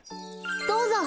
どうぞ。